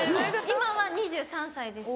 今は２３歳です。